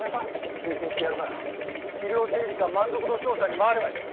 推薦してやるから資料整理か満足度調査に回ればいい。